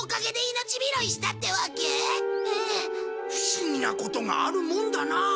不思議なことがあるもんだな。